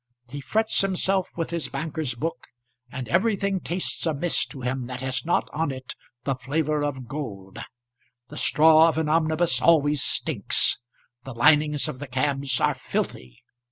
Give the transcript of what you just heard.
He frets himself with his banker's book, and everything tastes amiss to him that has not on it the flavour of gold. The straw of an omnibus always stinks; the linings of the cabs are filthy.